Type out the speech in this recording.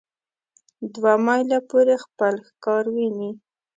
دوه مایله پورې خپل ښکار ویني.